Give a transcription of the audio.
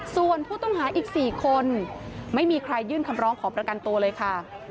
ส่วนผู้ต้องหาอีก๔คนไม่มีใครยื่นคำร้องขอประกันตัวเลยค่ะ